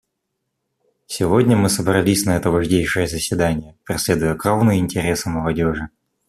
Сегодня мы собрались на это важнейшее заседание, преследуя кровные интересы молодежи.